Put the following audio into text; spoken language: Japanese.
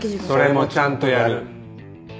それもちゃんとやる。